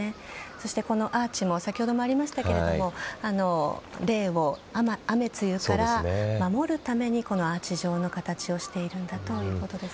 そしてこのアーチも先ほどもありましたが霊を雨露から守るためにアーチ状の形をしているんだということです。